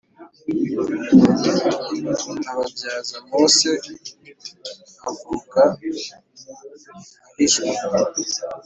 Ababyaza Mose avuka ahishwa